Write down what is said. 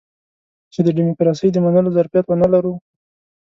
چې د ډيموکراسۍ د منلو ظرفيت ونه لرو.